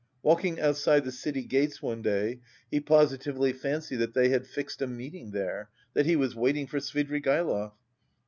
Walking outside the city gates one day, he positively fancied that they had fixed a meeting there, that he was waiting for Svidrigaïlov.